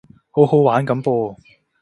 好好玩噉噃